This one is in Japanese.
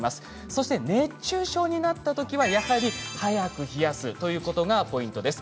そして熱中症になったときはやはり早く冷やすということがポイントです。